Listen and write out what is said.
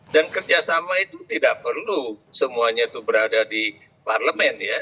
dan kerjasama itu tidak perlu semuanya itu berada di parlement ya